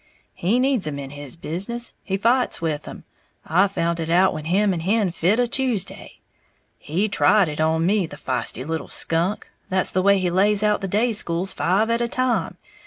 "He needs 'em in his business. He fights with 'em. I found it out when him and Hen fit a Tuesday. He tried it on me, the feisty little skunk! That's the way he lays out the day schools five at a time.